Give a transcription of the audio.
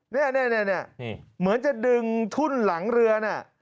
นี่เหมือนจะดึงทุ่นหลังเรือน่ะ